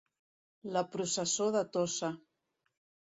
La processó de Tossa.